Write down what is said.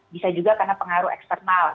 bisa juga karena pengaruh eksternal